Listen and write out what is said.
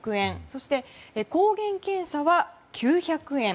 そして、抗原検査は９００円。